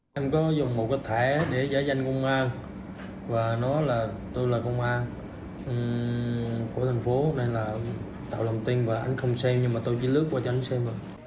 tôi là công an của thành phố nên là tạo lòng tin và anh không xem nhưng mà tôi chỉ lướt qua cho anh xem